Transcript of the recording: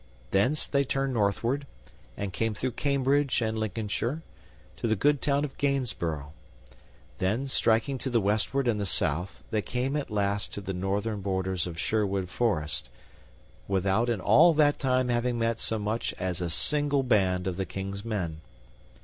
Thence they turned northward, and came through Cambridge and Lincolnshire, to the good town of Gainsborough. Then, striking to the westward and the south, they came at last to the northern borders of Sherwood Forest, without in all that time having met so much as a single band of the King's men.